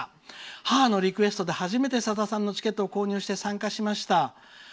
母のリクエストで初めてさださんのチケットを購入して、参加しました」。